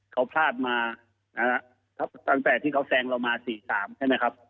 เขาพลาดมานะฮะตั้งแต่ที่เขาแซงเรามา๔๓ใช่ไหมครับ